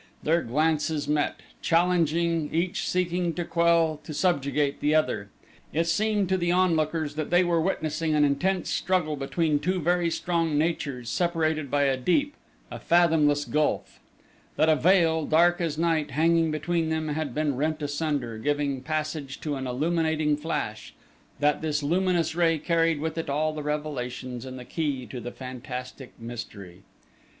Their glances met, challenging, each seeking to quell, to subjugate the other.... It seemed to the onlookers that they were witnessing an intense struggle between two very strong natures separated by a deep, a fathomless gulf; that a veil, dark as night, hanging between them had been rent asunder, giving passage to an illuminating flash; that this luminous ray carried with it all the revelations and the key to the fantastic mystery!